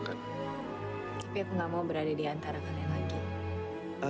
tapi aku gak mau berada di antara kalian lagi